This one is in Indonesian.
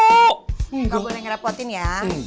gak boleh ngerepotin ya